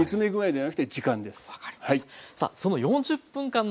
はい。